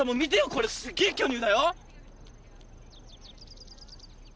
これすげえ巨乳だよ。